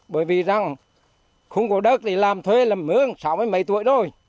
bởi vì rằng không có đất thì làm thuê làm mướn sáu mấy mấy tuổi rồi